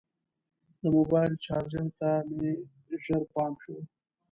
د موبایل چارجر ته مې ژر پام شو.